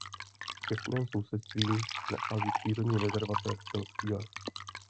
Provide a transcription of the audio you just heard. V těsném sousedství se nachází přírodní rezervace Selský les.